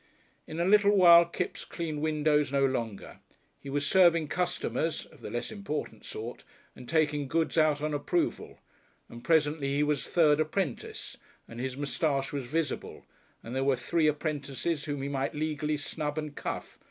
In a little while Kipps cleaned windows no longer; he was serving customers (of the less important sort) and taking goods out on approval; and presently he was third apprentice, and his moustache was visible, and there were three apprentices whom he might legally snub and cuff.